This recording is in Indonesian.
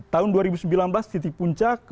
tahun dua ribu sembilan belas titik puncak